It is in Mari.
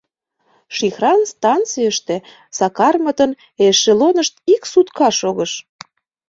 Шихран станцийыште Сакармытын эшелонышт ик сутка шогыш.